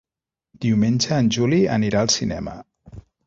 Diumenge en Juli anirà al cinema.